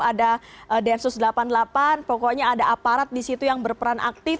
ada densus delapan puluh delapan pokoknya ada aparat di situ yang berperan aktif